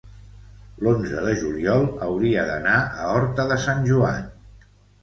l'onze de juliol hauria d'anar a Horta de Sant Joan.